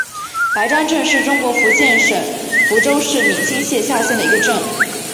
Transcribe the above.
白樟镇是中国福建省福州市闽清县下辖的一个镇。